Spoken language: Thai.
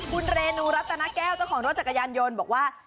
คุณเรนูรัตนาแก้วเจ้าของรถจักรยานยนต์บอกว่า